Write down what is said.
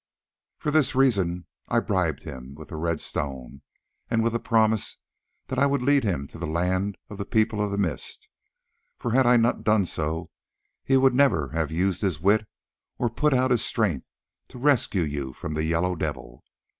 For this reason I bribed him with the red stone, and with the promise that I would lead him to the land of the People of the Mist, for had I not done so he would never have used his wit or put out his strength to rescue you from the Yellow Devil.